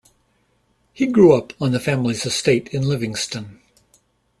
He grew up on the family's estate in Livingston.